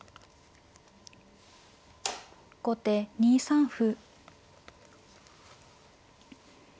後手２三歩。